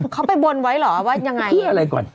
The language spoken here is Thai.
เขาไปบนไว้เหรอว่ายังไงที่อะไรก่อน